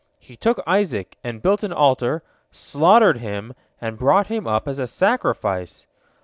He took Isaac, and built an altar, slaughtered him, and brought him up as a sacrifice.